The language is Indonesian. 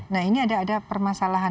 nah ini ada permasalahan